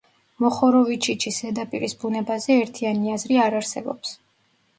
მოხოროვიჩიჩის ზედაპირის ბუნებაზე ერთიანი აზრი არ არსებობს.